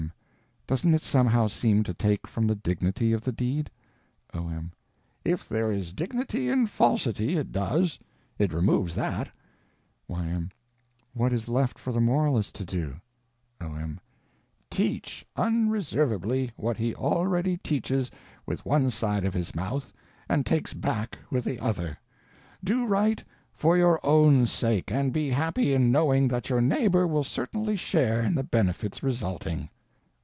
Y.M. Doesn't it somehow seem to take from the dignity of the deed? O.M. If there is dignity in falsity, it does. It removes that. Y.M. What is left for the moralists to do? O.M. Teach unreservedly what he already teaches with one side of his mouth and takes back with the other: Do right _for your own sake, _and be happy in knowing that your _neighbor _will certainly share in the benefits resulting.